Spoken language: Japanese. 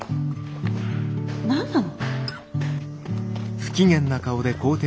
何なの？